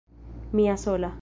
Mia sola!